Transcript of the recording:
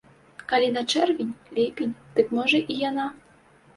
Калі на чэрвень, ліпень, дык можа і яна.